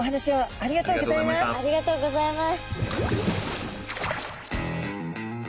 ありがとうございます。